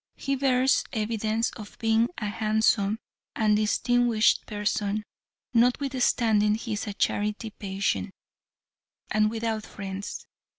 He bears evidence of being a handsome and distinguished person, notwithstanding he is a charity patient, and without friends.